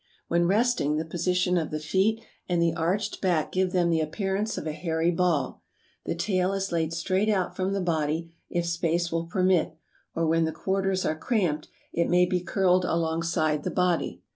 When resting the position of the feet and the arched back give them the appearance of a hairy ball. The tail is laid straight out from the body, if space will permit, or when the quarters are cramped it may be curled alongside the body.